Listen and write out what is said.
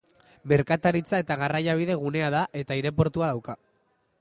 Merkataritza- eta garraiabide-gunea da eta aireportua dauka.